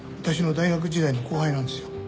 私の大学時代の後輩なんですよ。